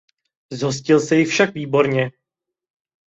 Zhostil se jich však výborně.